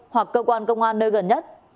hoặc cơ quan công an nơi gần nhất